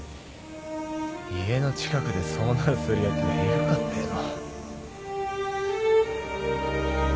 家の近くで遭難するやつがいるかっての。